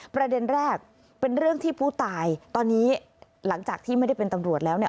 ประเด็นแรกเป็นเรื่องที่ผู้ตายตอนนี้หลังจากที่ไม่ได้เป็นตำรวจแล้วเนี่ย